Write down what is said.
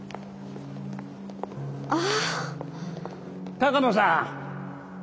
鷹野さん。